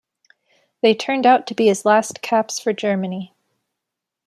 They turned out to be his last caps for Germany.